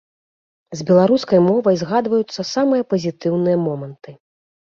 З беларускай мовай згадваюцца самыя пазітыўныя моманты.